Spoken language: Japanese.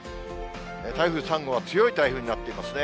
台風３号は強い台風になっていますね。